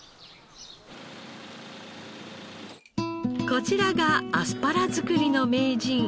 こちらがアスパラ作りの名人